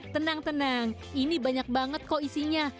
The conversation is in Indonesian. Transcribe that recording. tenang tenang ini banyak banget kok isinya